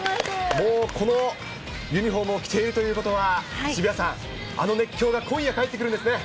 もうこのユニホームを着ているということは、渋谷さん、あの熱狂が今夜帰ってくるんですね。